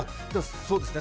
そうですね